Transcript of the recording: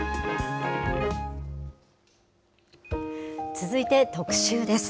続いて特集です。